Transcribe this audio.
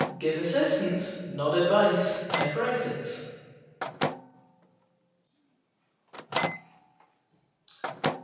Give assistance, not advice, in a crisis.